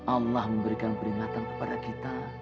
allah memberikan peringatan kepada kita